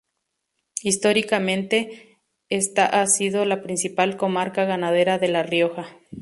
Históricamente esta ha sido la principal comarca ganadera de La Rioja.